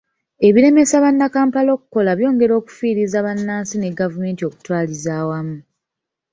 Ebiremesa bannakampala okukola byongera okufiiriza bannansi ne gavumenti okutwaliza awamu.